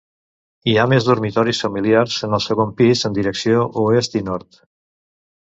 Hi ha més dormitoris familiars en el segon pis en direcció oest i nord.